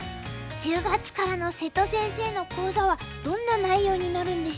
１０月からの瀬戸先生の講座はどんな内容になるんでしょうか？